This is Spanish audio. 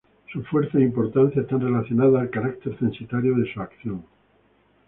Su fuerza e importancia están relacionadas al carácter censitario de su acción.